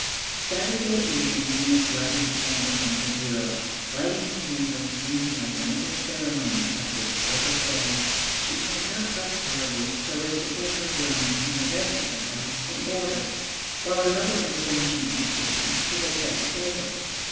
Saturday evening Eunice lighted the candles on her bureau; lighting the candles seemed like another ceremony of this perfect day. She had got up early so as to put her room and the rest of the house in order. While her mother was finishing in the kitchen she had set the table.